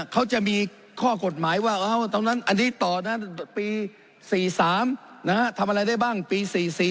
เขาจะมีข้อกฎหมายว่าตรงนั้นอันนี้ต่อนะปี๔๓ทำอะไรได้บ้างปี๔๔